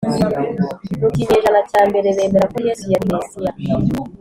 mu kinyejana cya mbere bemera ko Yesu yari Mesiya